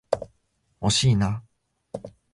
惜しいな。